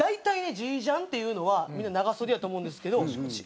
ジージャンっていうのはみんな長袖やと思うんですけどうち